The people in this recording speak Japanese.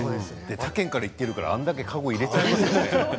他県から行ってるからあれだけ籠にも入れますよね。